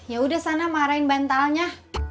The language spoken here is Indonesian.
yaudah sana marahin bantalnya